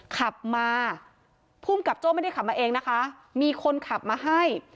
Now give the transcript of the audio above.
ขับมาภูมิกับโจ้ไม่ได้ขับมาเองนะคะมีคนขับมาให้